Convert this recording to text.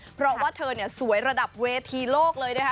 เพราะว่าเธอเนี่ยสวยระดับเวทีโลกเลยนะคะ